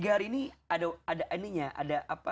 tiga hari ini ada eninya ada apa